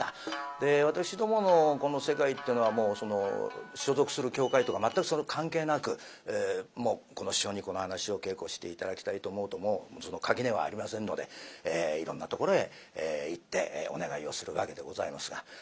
で私どものこの世界ってのはもうその所属する協会とか全く関係なくこの師匠にこの噺を稽古して頂きたいと思うともう垣根はありませんのでいろんなところへ行ってお願いをするわけでございますが。